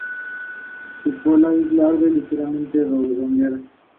Sus primeros habitantes fueron grupos de inmigrantes británicos venidos de Australia.